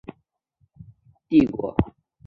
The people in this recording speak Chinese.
甲午战争后台湾割让予大日本帝国。